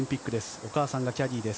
お母さんがキャディーです。